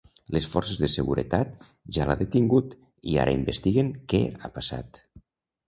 Les forces de seguretat ja l’ha detingut i ara investiguen què ha passat.